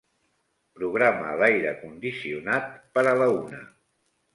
Programa l'aire condicionat per a la una.